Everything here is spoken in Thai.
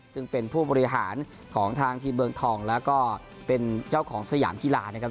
ซึ่งเป็นผู้บริหารของทางทีมเมืองทองแล้วก็เป็นเจ้าของสยามกีฬานะครับ